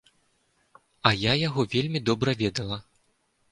А я яго вельмі добра ведала.